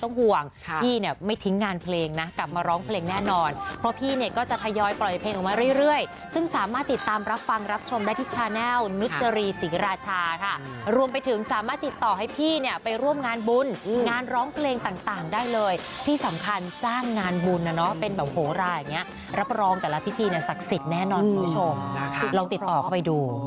ที่สำคัญจ้างงานบุญนะเนาะเป็นแบบโหลาอย่างเงี้ยรับรองแต่ละพิธีเนี่ยศักดิ์สิทธิ์แน่นอนคุณผู้ชมลองติดต่อก็ไปดู